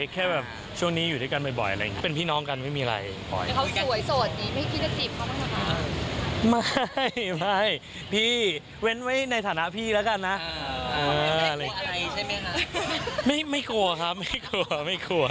แค่แบบช่วงนี้อยู่ด้วยกันบ่อยอะไรอย่างนี้